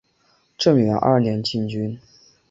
正元二年进军。